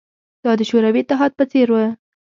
دا د شوروي اتحاد په څېر وه